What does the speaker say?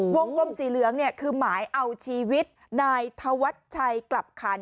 กลมสีเหลืองเนี่ยคือหมายเอาชีวิตนายธวัชชัยกลับขัน